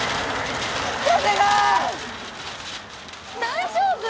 大丈夫？